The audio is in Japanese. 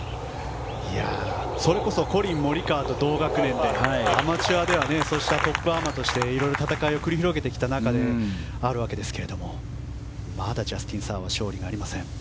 それこそコリン・モリカワと同学年でアマチュアではそうしたトップアマとして色々戦いを繰り広げてきた仲ではあるわけですがまだジャスティン・サーは勝利がありません。